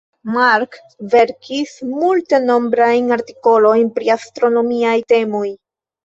Mark verkis multenombrajn artikolojn pri astronomiaj temoj.